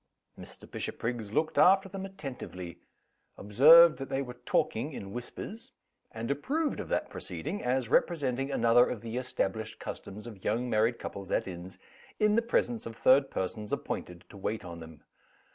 Mr. Bishopriggs looked after them attentively observed that they were talking in whispers and approved of that proceeding, as representing another of the established customs of young married couples at inns, in the presence of third persons appointed to wait on them.